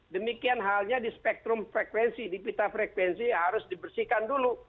demikian halnya di spektrum frekuensi di pita frekuensi harus dibersihkan dulu